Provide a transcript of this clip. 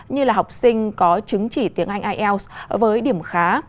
như là học sinh có chứng chỉ tiếng anh ielts với điểm khá